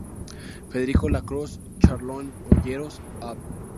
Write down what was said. Federico Lacroze, Charlone, Olleros, Av.